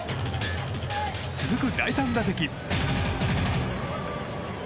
続く第３打席。